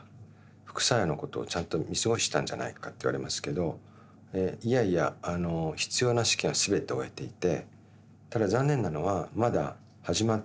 副作用のことをちゃんと見過ごしたんじゃないかって言われますけどいやいや必要な試験は全て終えていて。